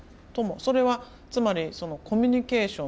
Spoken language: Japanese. それはつまりコミュニケーションという。